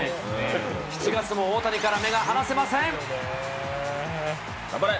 ７月も大谷から目が離せませ頑張れ。